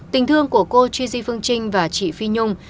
tình thương của cô chy di phương trinh và chị phi nhung